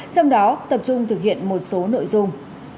trong đó tập trung thực hiện một số nội dung